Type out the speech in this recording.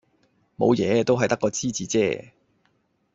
冇嘢，都係得個知字啫